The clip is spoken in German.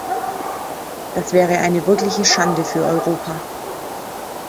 Das wäre eine wirkliche Schande für Europa!